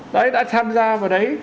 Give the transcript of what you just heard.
đấy đã tham gia vào đấy